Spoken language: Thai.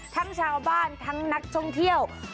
ทั้งชาวบ้านทั้งนักท่องเที่ยว